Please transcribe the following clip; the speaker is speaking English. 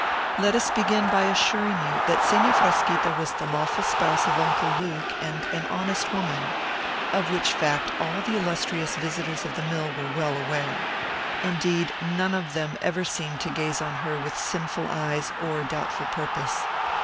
Let us begin by assuring you that Seña Frasquita was the lawful spouse of Uncle Luke, and an honest woman; of which fact all the illustrious visitors of the mill were well aware. Indeed, none of them ever seemed to gaze on her with sinful eyes or doubtful purpose.